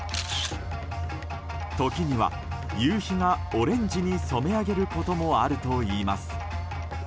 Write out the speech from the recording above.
時には、夕日がオレンジに染め上げることもあるといいます。